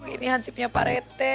ini hansipnya pak rt